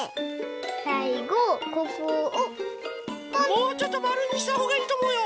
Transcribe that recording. もうちょっとまるにしたほうがいいとおもうよ。